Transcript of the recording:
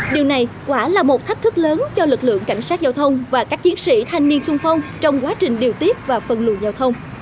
điều này quả là một thách thức lớn cho lực lượng cảnh sát giao thông và các chiến sĩ thanh niên sung phong trong quá trình điều tiết và phân lùi giao thông